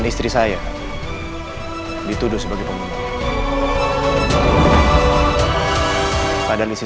untuk kita punya diri sendiri dan sejahterikan diri kita sendiri